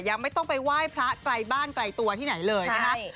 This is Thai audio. ยังไม่ต้องไปไหว้พระไกลบ้านไกลตัวที่ไหนเลยนะครับ